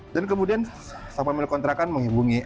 dan kemudian si pemilik kontrakan menghubungi